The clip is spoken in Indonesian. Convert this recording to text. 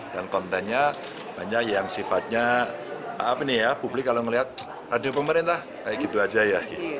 dan kontennya banyak yang sifatnya apa ini ya publik kalau melihat radio pemerintah kayak gitu aja ya